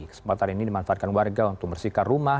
kesempatan ini dimanfaatkan warga untuk membersihkan rumah